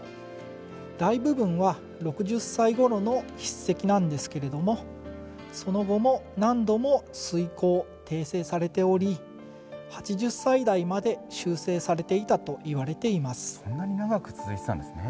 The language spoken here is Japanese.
大部分は６０歳ごろの筆跡なんですけれども、その後も何度も推こう・訂正されており８０歳代まで修正されていたとそんなに長く続いていたんですね。